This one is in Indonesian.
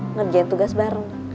ngerjain tugas bareng